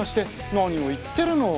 何を言ってるの。